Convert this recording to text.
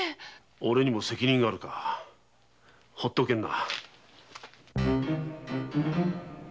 オレにも責任あるかほっとけんな。